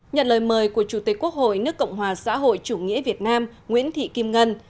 nhận lời mời của chủ tịch quốc hội nước cộng hòa xã hội chủ nghĩa việt nam nguyễn thị kim ngân